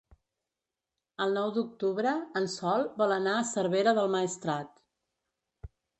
El nou d'octubre en Sol vol anar a Cervera del Maestrat.